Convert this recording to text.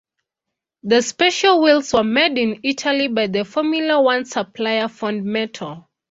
The special wheels were made in Italy by the Formula One supplier Fondmetal.